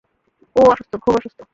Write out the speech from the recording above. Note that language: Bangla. ও অসুস্থ, খুব অসুস্থ।